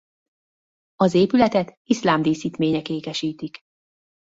Az épületet iszlám díszítmények ékesítik.